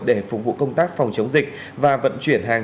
để phục vụ công tác phòng chống dịch và vận chuyển hàng